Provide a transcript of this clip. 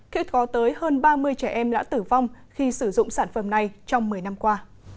khi có tới hơn ba mươi trẻ em đã tử vong khi sử dụng sản phẩm này trong một mươi năm qua